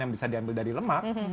yang bisa diambil dari lemak